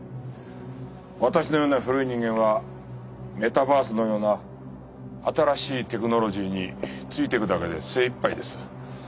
私のような古い人間はメタバースのような新しいテクノロジーについていくだけで精いっぱいです。